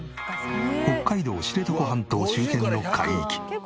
北海道知床半島周辺の海域。